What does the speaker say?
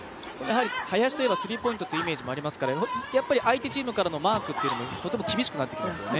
林と言えばスリーポイントというイメージもありますから相手チームからのマークというのもとても厳しくなってきますよね。